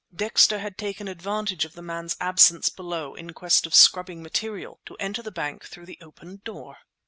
Dexter had taken advantage of the man's absence below in quest of scrubbing material to enter the bank through the open door.